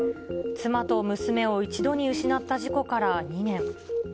妻と娘を一度に失った事故から２年。